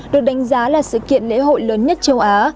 được đánh giá là sự kiện lễ hội lớn nhất châu á